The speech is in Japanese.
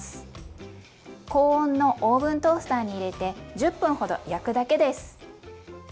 高温のオーブントースターに入れて１０分ほど焼くだけです。